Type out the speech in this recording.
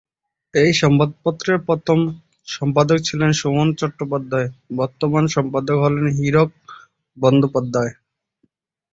এই সংবাদপত্রের প্রথম সম্পাদক ছিলেন সুমন চট্টোপাধ্যায়, বর্তমান সম্পাদক হলেন হীরক বন্দ্যোপাধ্যায়।